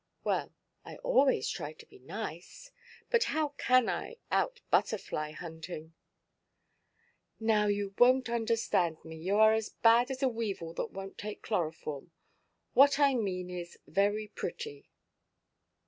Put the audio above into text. "Well, I always try to be nice. But how can I, out butterfly–hunting?" "Now, you wonʼt understand me. You are as bad as a weevil that wonʼt take chloroform. What I mean is, very pretty."